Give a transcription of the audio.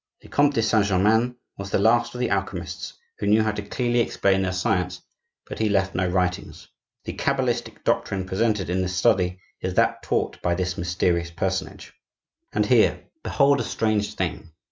The Comte de Saint Germain was the last of the alchemists who knew how to clearly explain their science; but he left no writings. The cabalistic doctrine presented in this Study is that taught by this mysterious personage. And here, behold a strange thing!